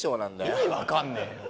意味分かんねえよ。